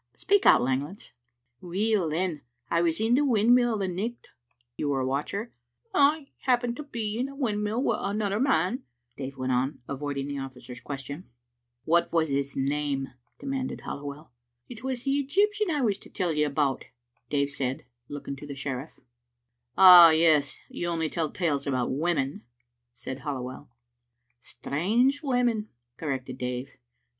Speak out, Langlands." "Weel, then, I was in the windmill the nicht." "You were a watcher?" " I happened to be in the windmill wi' another man," Dave went on, avoiding the officer's question. " What was his name?" demanded HalliwelL Digitized by VjOOQ IC TTbe Bma3on0 ot TTbtums. 57 " It was the Egyptian I was to tell you about," Dave said, looking to the sheriff. "Ah, yes, yon only tell t&les about women," said Halliwell. "Strange women," corrected Dave.